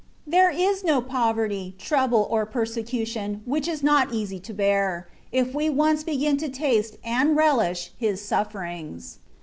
There is THE WAY OF PEBFSCTIOK. 171 no poverty, trouble, or' persecation, which is not easy to bear, if we once begin to taste and relish His sufferings.